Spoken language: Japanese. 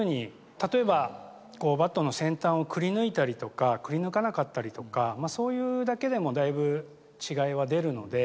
例えば、こう、バットの先端をくり抜いたりとか、くり抜かなかったりとか、そういうだけでもだいぶ違いは出るので。